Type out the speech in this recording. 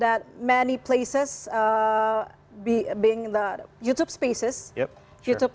bahwa banyak tempat menjadi tempat youtube